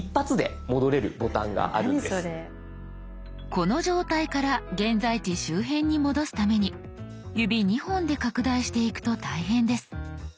この状態から現在地周辺に戻すために指２本で拡大していくと大変です。